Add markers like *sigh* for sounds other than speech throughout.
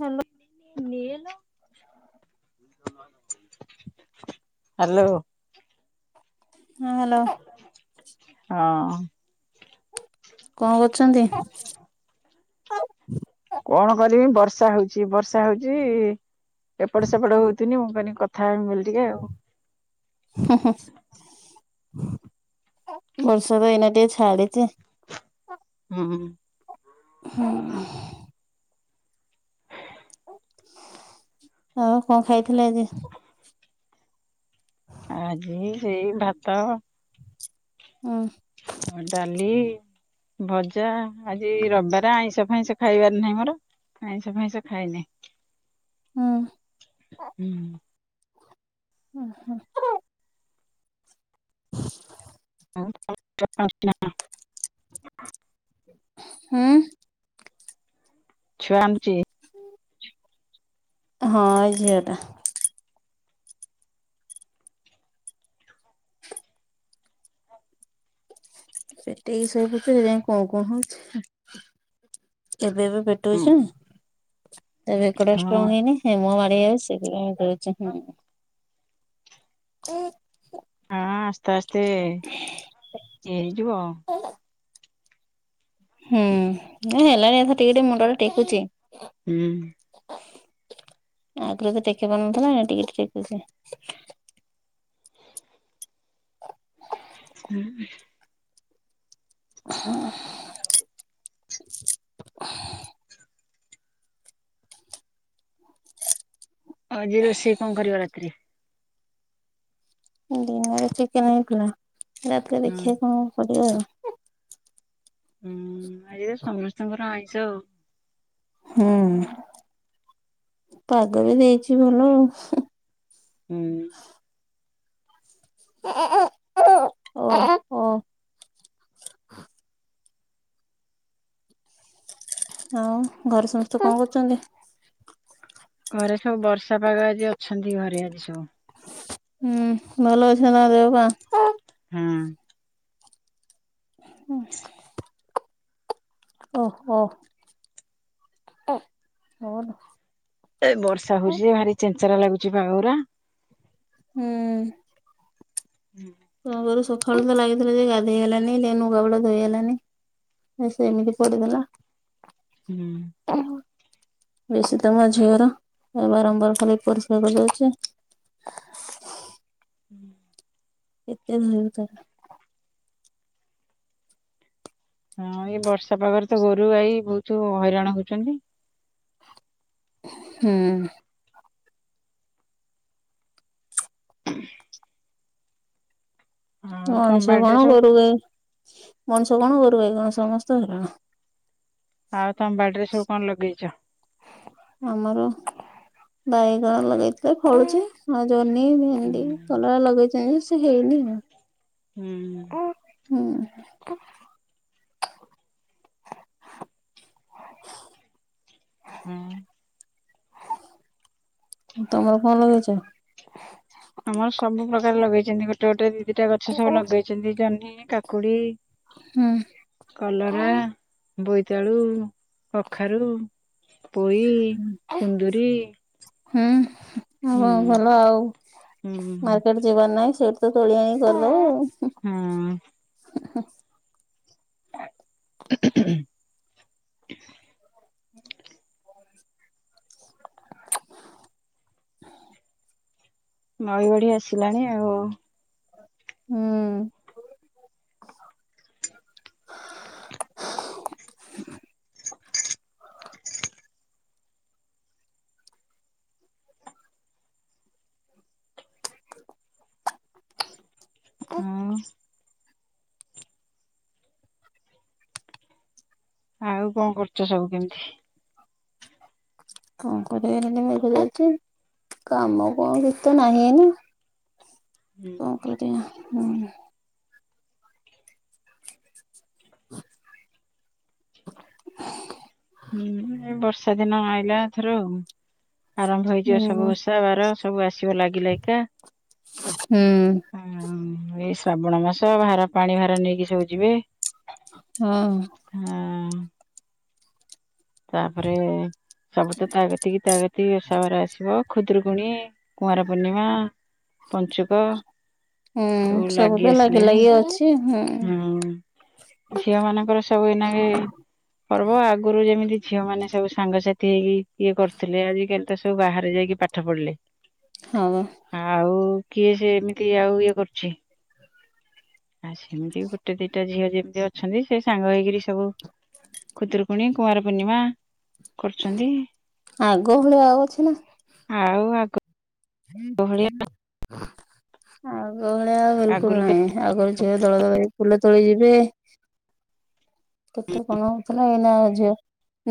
Hello. ନିଏଲୋ। *inaudible* Hello. ହଁ hello. *unintelligible* ହଁ। କଣ କରୁଛନ୍ତି? କଣ କରିବି ବର୍ଷା ହଉଛି ବର୍ଷା ହଉଛି ଏପଟ ସେପଟ ହଉଥିନି ମୁଁ କହିଲି କ। କଥା ହେବି ବୋଲି ଟିକେ ଆଉ। ହୁଁ ହୁଁ। ବର୍ଷା ତ ଏଇନା ଟିକେ ଛାଡ଼ିଚି। ହୁଁଁ। ହୁଁଉଁ। ଆଉ କଣ ଖାଇଥିଲେ ଆଜି? ଆଜି ସେଇ ଭାତ। ହଁ। ହଁ ଡାଲି। ଭଜା ଆଜି ରବିବାର ଆଇଁଷ ଫାଇଁଷ ଖାଇବାର ନାହିଁ ମୋର। ଆଇଁସ ଫାଇଁସ ଖାଏନି। ହୁଁ। ହୁଁ। *unintelligible* *inaudible* *unintelligible* ହୁଁ। ଛୁଆ ଆଣୁଚି। ହଁ ଏ ଇ ଝିଅ ଟା। ସେଠେଇକି ସୋଇ ପଡ଼ିଛି କି ଯାଇ ଙ୍କି କୁଁ କୁଁ ହଉଛି। ଏବେ ଏବେ ହଁ ପେଟଉଛିନା। ଏ ବେକଟା ହଁ ଷ୍ଟ୍ରଙ୍ଗ ହେଇନି ମୁହଁ ମାଡି ଯାଉଛି ସେଥି ପାଇଁ କୋହୁଚୀ ହୁଁ। କୁଁ। ହଁ ଆସ୍ତେ ଆସ୍ତେ ଇଏ ହେଇଯିବ ଆଉ। ହୁଁ ହେଲାଣି ଏ ଟିକେ ଟିକେ ମୁଣ୍ଡ ଟ ଟେକୁଛି। ହୁଁ। ଆଗରୁ ତ ଟେକି ପାରୁନଥିଲା ଟିକେ ଟିକେ ହୁଁ। ହୁଁ। *inaudible* ଆଜି ରୋସେଇ କଣ କରିବ ରାତିରେ? ଦିନରେ ଚିକେନ ହେଇଥିଲା ରାତିରେ ହଁ ଦେଖିବା କଣ କରିବା ଆଉ। ହୁଁ ଆଜି ତ ସମସ୍ତଙ୍କର ଆଇଁଷ ଆଉ। ହୁଁ ପାଗ ବି ଦେଇଛି ଭଲ ଆଉ। ହୁଁ। *unintelligible* ଓ ଆଉ ଘରେ ସମସ୍ତେ କଣ କରୁଛନ୍ତି? ଘରେ ସବୁ ବର୍ଷା ପାଗ ଆଜି ଅଛନ୍ତି ଘରେ ଆଜି ସବୁ। ହୁଁ ଭଲ ଅଛି ନା ତାଙ୍କ ଦେହ ପା? ହଁ। ହୁଁ। ଓଃ ହୋ ହୁଁ ଓ ଲୋ। ଏ ବର୍ଷା ହଉଛି ଭାରି ଚେଞ୍ଚରା ଲାଗୁଛି ପାଗଗୁରା। ହୁଁ। ହୁଁ। ରୁ ସକାଳୁ ତ ଲାଗିଥିଲା ଯେ ଗାଧେଇ ହେଲାନି ଲ ନୁଗା ପଟା ଧୋଇହେଲାନି। ସେ ସେମିତି ପଡିଗଲା। ହୁଁ। ବେଶୀ ତମ ଝିଅର ବାରମ୍ବାର ଖାଲି ପରିସ୍ରା କରି ଯାଉଛି। ହୁଁ। ଏତେ ଧୋଇବୁ ତାର? ହଁ ଏଇ ବର୍ଷା ପାଗରେ ତ ଗୋରୁ ଗାଈ ବହୁତ ହଇରାଣ ହଉଛନ୍ତି। ହୁଁ। ହୁଁ। ଆଉ ତମ ମଣିଷ ବାଡିରେ କଣ ସବୁ ଗୁରୁ ଗାଈ ମଣିଷ କଣ ଗୁରୁ ଗାଈ କଣ ସମସ୍ତେ ହଇରାଣ। ଆଉ ତମ ବାଡିରେ ସବୁ କଣ ଲଗେଇଛ? ଆମର ବାଇଗଣ ଲଗେଇଥିଲେ ଫଳୁଛି। ଆଉ ଜହ୍ନି ହୁଁ ଭେଣ୍ଡି କଲରା ଲଗେଇଛନ୍ତି ସେ ହେଇନି ଆଉ। ହୁଁ। ଆଁ। *inaudible* *inaudible* ଆ। ତମର କଣ ଲଗେଇଛ? ଆମର ସବୁ ପ୍ରକାର ଲଗେଇଛନ୍ତି ଗୋଟେ ଗୋଟେ ଦି ଦିଟା ଗଛ ସବୁ ଲଗେଇଛନ୍ତି ଜହ୍ନି, କାକୁଡି, ହୁଁ କଲରା, ବୋଇତାଳୁ, କଖାରୁ, ପୋଇ, କୁନ୍ଦୁୁରୀ, ହୁଁ ହ ଭଲ ଆଉ ଆଉ ହୁଁ କୁଆଡେ ଯିବାର ନାହିଁ ସେଇଠି ତ ତୋଳି ଆଣି କରିଦେବ ଆଉ ହୁଁ। ହଁ। *inaudible* ହୁଁ *inaudible* ନଈ ବଢି ଆସିଲାଣି ଆଉ। ହୁଁ। *inaudible* ଆଉ ଆଉ କଣ କରୁଛ ସବୁ କେମିତି? କଣ କରିବା ଏଇମିତି ମେଘ ହେଊଛି? କାମ କଣ କିଛି ତ ନାହିଁ ଏଇନା ହୁଁ କଣ କରିବା? ହୁଁ। *inaudible* ହୁଁ ବର୍ଷା ଦିନ ଆଇଲା ଏଥର ଆଉ ଆରମ୍ଭ ହେଇଯିବ ହୁଁ ସବୁ ବସି ଓଷା ବାର ସବୁ ଆସିବ ଲାଗି ଲାଗିକା। ହୁଁ। ହଁ ଏଇ ଶ୍ରାବଣ ମାସ ଭାର ପାଣି ଭାର ନେଇକି ସବୁ ଯିବେ। ହଁ। ହାଁ। ତାପରେ ସବୁ ତ ତା ଗତିକି ତା ଗତିକି ଉଷା ବାର ଆସିବ ଖୁଦରୁକୁଣୀ, କୁଆଁର ପୂର୍ଣ୍ଣିମା ପଞ୍ଚୁକ ସବୁ ଲାଗି ଆସିଲାଣି। ହୁଁ-ହୁଁ। ହଁ ଝିଅ ମାନଙ୍କର ସବୁ ଏଇ ନାଗେ ପର୍ବ ଆଗରୁ ଯେମିତି ଝିଅ ମାନେ ସବୁ ସାଙ୍ଗସାଥି ହେଇକି ଇଏ କରୁଥିଲେ ଆଜିକାଲି ତ ସବୁ ବାହାରେ ଯାଇକି ପା ପାଠ ପଢିଲେ। ହଁ ବା। ଆଉ କିଏ ସେ ଏମିତି ଆଉ ଇଏ କରୁଚି। ଆଉ ସେମିତି ଗୋଟେ ଦିଟା ଝିଅ ଯେମିତି ଅଛନ୍ତି ସେ ସାଙ୍ଗ ହେଇକିରି ସବୁ ଖୁଦରୁକୁୁଣି କୁଆଁର ପୂର୍ଣ୍ଣିମା କରୁଚନ୍ତି। ଆଗ ଭଳିଆ ଆଉ ଅଛି ନା ଆଉ ଆଗ ଭଳିଆ ଆଗ ଭଳିଆ ଆଉ ବିଲକୁଲ୍ ଆଗରୁ କେତେ ନାହିଁ। ଆଗରୁ ଝିଅ ଦଳ ଦଳ ହେଇ ଫୁଲ ତୋଳି ଯିବେ କେତେ କଣ ହଉଥିଲା ଏଇନା ଝିଅ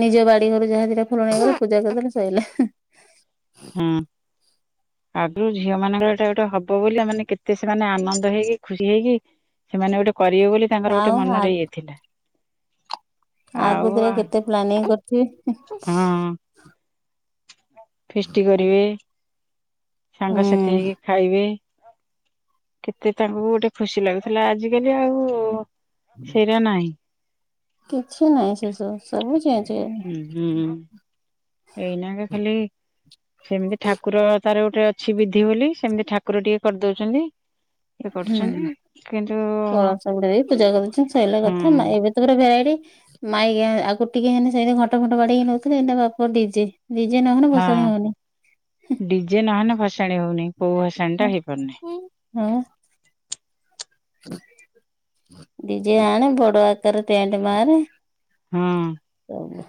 ନିଜ ବାଡି ଘରୁ ଯାହା ଦିଟା ଫୁଲ ନେଇଗଲେ ପୂଜା କରିଦେଲେ ସଇଲା। ହଁ। ଆଗୁରୁ ଝିଅ ମାନଙ୍କର ଏଟା ଗୋଟେ ହବ ବୋଲି ମାନେ କେତେ ସେମାନେ ଆନନ୍ଦ ହେଇକି ଖୁସି ହେଇକି ହେମାନେ ଗୋଟେ କରିବେ ବୋଲି ତାଙ୍କର ଗୋଟେ ଆଉ ଆଗ ମନରେ ଇଏ ଥିଲା। ଆଉ ଆଗତୁରା କେତେ ପ୍ଲାନିଂ କରିଥିବେ ହଁ ଫିଷ୍ଟି କରିବେ ସାଙ୍ଗସାଥି ହୁଁ ହେଇକି ଖାଇବେ କେତେ ତାଙ୍କୁ ଗୋଟେ ଖୁସି ଲାଗୁଥିଲା ଆଜିକାଲି ଆଉ ସେଇଟା ନାହିଁ। କିଛି ନାଇଁ ସେସବୁ ସବୁ ଚେଞ୍ଜ୍ ହେଇ *inaudible* ଏଇନାକେ ଖାଲି ସେମିତି ଠାକୁର ତାର ଗୋଟେ ଅଛି ବିଧି ବୋଲି ସେମିତି ଠାକୁର ଟିକେ କରିଦଉଚନ୍ତି। ହୁଁ କଳସ ବୁଡ ଦେଇ ପୂଜା କରିଦଉଚନ୍ତି ସଇଲା ହୁଁ କଥା ନା ଏବେ ତାପରେ ଭେରାଇଟି ମାଇକି ଆଗୁରୁ ଟିକେ ମାନେ ସେରା ଘଣ୍ଟ ଫଣ୍ଟ ବାଡେଇକି ନଉଥିଲେ ଏଇନେ ବାପ ଡିଜେ। ଡିଜେ ନହେଲେ ହଁ ଭସାଣି ହଉନି। ଡିଜେ ନହେଲେ ଭଷାଣି ହଉନି କଉ ଭଷାଣି ଟା ହେଇପାରୁନି। ହଁ। ଡିଜେ ଆଣେ ବଡ ଆକାରରେ ଟେଣ୍ଡେ ବାନ୍ଧେ। ହଁ। ସବୁ।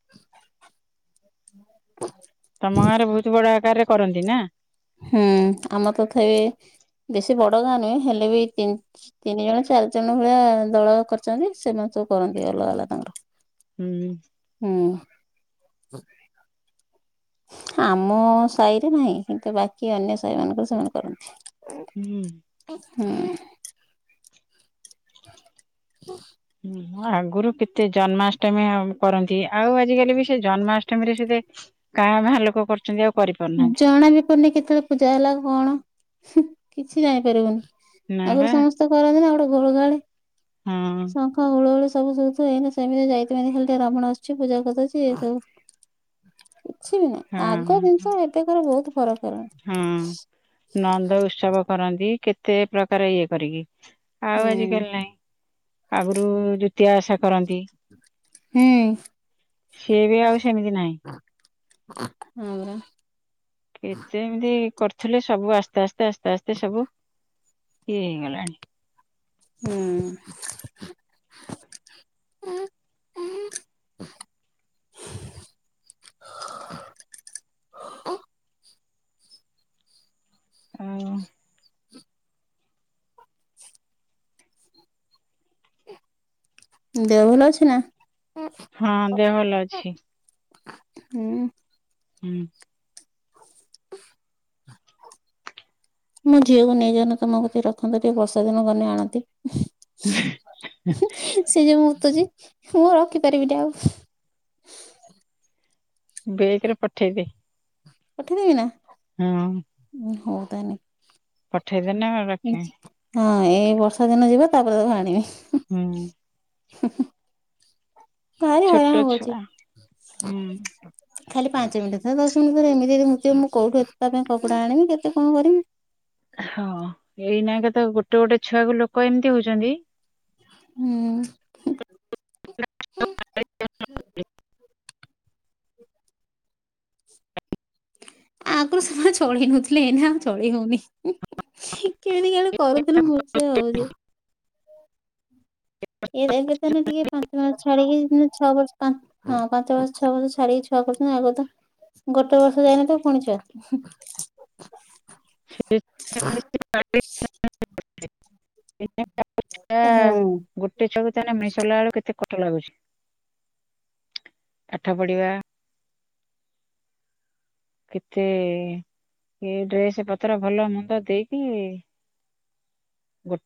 *unintelligible* *unintelligible* ତମ ଗାଁରେ ବହୁତ୍ ବଡ ଆକାର ରେ କରନ୍ତି ନା? ହୁଁ ଆମର ତଥାବି ବେଶୀ ବଡ ଗାଁ ନୁହେଁ ହେଲେ ବି ତିନ୍ ତିନି ଜଣ ଚାରି ଜଣ ଭଳିଆ ଦଳ କରଚନ୍ତି ସେମାନେ ସବୁ କରନ୍ତି ଅଲଗା ଅଲଗା ତାଙ୍କର। ହୁଁ। ହୁଁ। ଆମ ସାଇ ରେ ନାହିଁ କିନ୍ତୁ ବାକି ଅନ୍ୟ ସାଇ ମାନଙ୍କରେ ସେମାନେ କରନ୍ତି। ହୁଁ। ହୁଁ। *unintelligible* ହଁ ଆଗରୁ କେତେ ଜନ୍ମାଷ୍ଟମୀ ଆମେ କରନ୍ତି ଆଉ ଆଜି କାଲି ବି ସେ ଜନ୍ମାଷ୍ଟମୀରେ ସୁଧେ କାଁ ଭାଁ ଲୋକ କରୁଚନ୍ତି ଆଉ କରିପାରୁନାହାନ୍ତି। କୁହନ୍ତି କେତେବେଳେ ପୂଜା ହେଲା କଣ କିଛି ହୁଁ- ଜାଣିପାରିବୁନି ନା ଆଗରୁ ବା। ସମସ୍ତେ ସମସ୍ତେ କରନ୍ତି ନା ଗୋଟେ ଘୁଡ୍ ଘାଡେ ହଁ ଶଙ୍ଖ, ହୁଳହୁଳି ସବୁ ଶୁବୁ ଥିବ‌ଏଇନା ସେମିତି ଯାଇ ତାଇ ପାଇଁ ଖାଲି ଟିକେ ରାବଣ ଆସୁଛି ପୂଜା କରିଦଉଛି‌ ଇଏ ସବୁ କିଛି ବି ନାହିଁ ଆଗ ଜିନିଷ ଏବେକାର ବହୁତ୍ ଫରକ୍‌। ହୁଁ ନନ୍ଦ ଉତ୍ସବ କରନ୍ତି କେତେ ପ୍ରକାର ଇଏ କରିକି। ଆଉ ହୁଁ ଆଜିକାଲି ନାଇଁ। ଆଗରୁ ଦୁତିଆ ଓଷା କରନ୍ତି। ହୁଁ ସିଏ ବି ଆଉ ସେମିତି ନାହିଁ। ହଁ ପରା। କେତେ ଏମିତି କରୁଥିଲେ ସବୁ ଆସ୍ତେ ଆସ୍ତେ ଆସ୍ତେ ଆସ୍ତେ ସବୁ, ଇଏ ହେଇଗଲାଣି। ହୁଁ। ଆଉ। ଦେହ ଭଲ ଅଛି ନା? ହଁ ଦେହ ଭଲ ଅଛି। ହୁଁ। ହୁଁ। *unintelligible* ମୋ ଝିଅକୁ ନେଇ ଯାଉନ ତମ କତିରେ ରଖନ୍ତ ଟିକେ ବର୍ଷା ଦିନ ଗନେ ଆଣନ୍ତି। *unintelligible* ହୁଁ ସେ ଯୋଉ ମୁତୁଚି ମୁଁ ରଖିପାରିବିନି ଆଉ। ବେଗ୍ ରେ ପଠେଇଦେ। ପଠେଇଦେବି ନା? ହଁ। ଉଁ ହଉ ତା ହେନେ। ପଠେଇ ଦେନେ ରଖିମି। ହଁ ଏଇ ବର୍ଷା ଦିନ ଯିବ ତାପରେ ତାକୁ ଆଣିବି। ହୁଁ। ହୁଁ ହୁଁ। ଭାରି ଛୋଟ ହଇରାଣ ହଉଚି। ଛୁଆ ହୁଁ ଖାଲି ପାଞ୍ଚ ମିନିଟ୍ ରେ ଥରେ, ଦଶ ମିନିଟ୍ ରେ ଥରେ, ଏମିତି ଯଦି ମୁତିବ। ମୁଁ କଉଠୁ ଏତେ ତା ପାଇଁ କପଡ଼ା ଆଣିବି କେତ କଣ କରିବି ‌? ହଁ ଏଇନା କେ ତ ଗୋଟେ ଗୋଟେ ଛୁଆ କୁ ଲୋକ ଏମତି ହଉଚନ୍ତି ହୁଁ। ଆଗୁରୁ ସେମାନେ ଚଳେଇ ନଉଥିଲେ ଏନା ଆଉ ଚଳେଇ ହଉନି। କେମିତି କେଜାଣେ କରୁଥିଲେ ମୁଁ ସେଇଆ ଭାବୁଚି। ଇଏ ଯାଇକି ତାହେନେ ଟିକେ ପାଞ୍ଚ ମାସ ଛାଡିକି ଛଅ ବର୍ଷ ପା ହଁ ପାଞ୍ଚ ମାସ ଛଅ ମାସ, ଛାଡିକି ଛୁଆ କରୁଚନ୍ତି ଆଗରୁ ତ ଗୋଟେ ବର୍ଷ ଯାଇ ନଥିବ ଫୁଣି ଛୁଆ। ହୁଁ। ସେ *unintelligible* ଏଇ *unintelligible* ଛୁଆ। ହଁ। ଗୋଟେ ଛୁଆକୁ ତାହଲେ ମିଶଲା ବେଳକୁ କେତେ କଠ ଲାଗୁଛି। ପାଠପଢିବା କେତେ, ଏ ଡ୍ରେସ୍ ପତ୍ର ଭଲ ମନ୍ଦ ଦେଇକି